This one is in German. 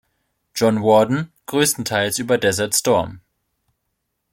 John Warden, größtenteils über Desert Storm.